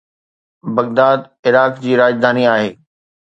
Baghdad Iraq جي راڄڌاني آهي